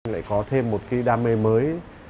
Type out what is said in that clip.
lại có thêm một cái đam mê mới